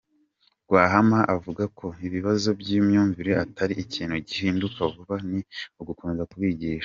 Rwahama avuga ko ikibazo cy’imyumvire atari ikintu gihinduka vuba, ni ugukomeza kubigisha.